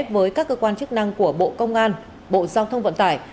với các cơ quan chức năng của bộ công an bộ giao thông vận tải